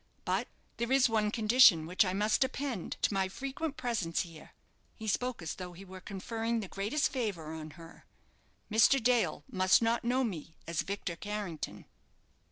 But there is one condition which I must append to my frequent presence here" he spoke as though he were conferring the greatest favour on her "Mr. Dale must not know me as Victor Carrington."